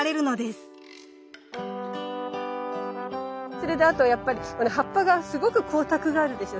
それであとはやっぱりこの葉っぱがすごく光沢があるでしょう。